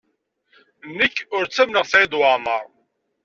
Nekk ur ttamneɣ Saɛid Waɛmaṛ.